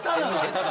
ただ。